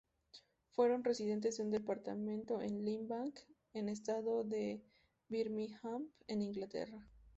Fueron residentes de un departamento en Lee Bank, un estado de Birmingham, en Inglaterra.